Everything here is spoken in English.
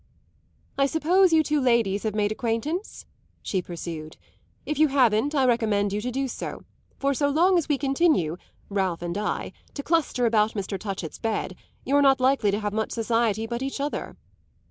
"I suppose you two ladies have made acquaintance," she pursued. "If you haven't I recommend you to do so; for so long as we continue Ralph and I to cluster about Mr. Touchett's bed you're not likely to have much society but each other."